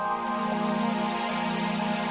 kau mau kemana fadil